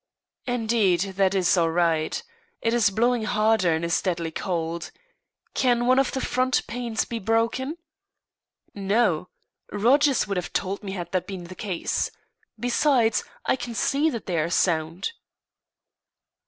"Indeed, that is all right. It is blowing harder and is deadly cold. Can one of the front panes be broken?" "No. Rogers would have told me had that been the case. Besides, I can see that they are sound."